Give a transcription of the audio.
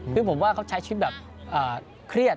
คือผมว่าเขาใช้ชีวิตแบบเครียด